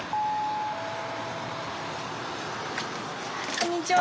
こんにちは。